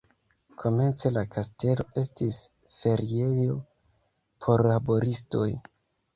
Komence la kastelo estis feriejo por laboristoj.